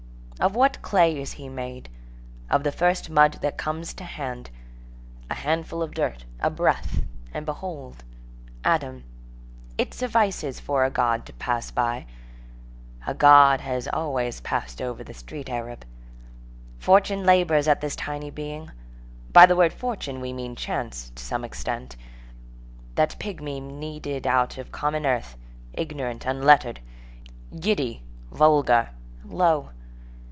Of what clay is he made? Of the first mud that comes to hand. A handful of dirt, a breath, and behold Adam. It suffices for a God to pass by. A God has always passed over the street Arab. Fortune labors at this tiny being. By the word "fortune" we mean chance, to some extent. That pigmy kneaded out of common earth, ignorant, unlettered, giddy, vulgar, low.